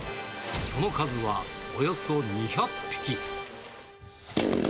その数はおよそ２００匹。